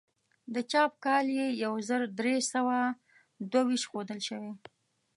د چاپ کال یې یو زر درې سوه دوه ویشت ښودل شوی.